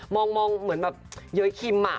มองเหมือนแบบเย้ยคิมอะ